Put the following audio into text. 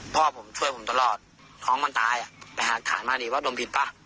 พ่อผมช่วยผมตลอดท้องมันตายอ่ะไปหาขายมาดีว่าดมผิดป่ะ